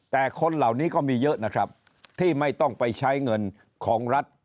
แต่คนเหล่านี้ก็มีเยอะนะครับที่ไม่ต้องไปใช้เงินของรัฐ